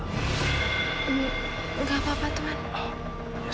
nggak apa apa tuhan